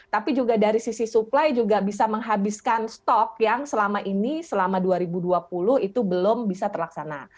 tapi juga dari sisi supply juga bisa menghabiskan stok yang selama ini selama dua ribu dua puluh itu belum bisa terlaksana